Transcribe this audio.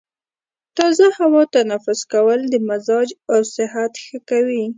تازه هوا تنفس کول د مزاج او صحت ښه کوي.